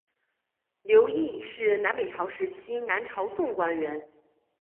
刘邕是南北朝时期南朝宋官员。